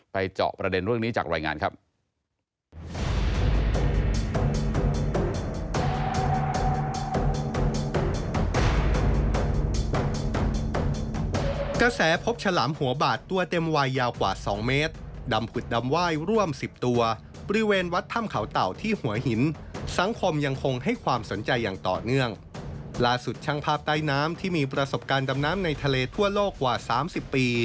เจาะประเด็นเรื่องนี้จากรายงานครับ